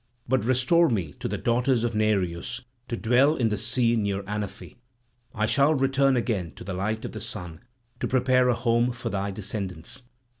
But restore me to the daughters of Nereus to dwell in the sea near Anaphe; I shall return again to the light of the sun, to prepare a home for thy descendants."